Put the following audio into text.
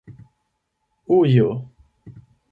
ujo